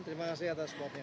terima kasih atas klubnya